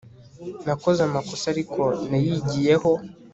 Nakoze amakosa ariko nayigiyeho